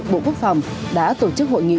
bộ quốc phòng đã tổ chức hội nghị